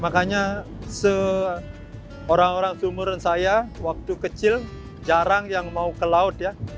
makanya seorang orang sumur saya waktu kecil jarang yang mau ke laut ya